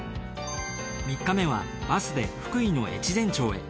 ３日目はバスで福井の越前町へ。